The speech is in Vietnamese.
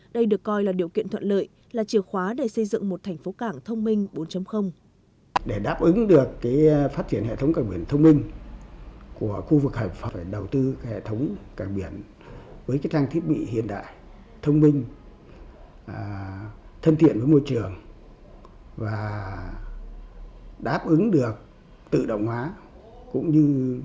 đây được coi là điều kiện thuận lợi là chìa khóa để xây dựng một thành phố càng thông minh bốn